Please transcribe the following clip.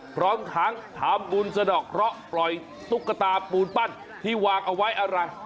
พร้อมทั้งทำบุญสะดอกเคราะห์ปล่อยตุ๊กตาปูนปั้นที่วางเอาไว้อะไร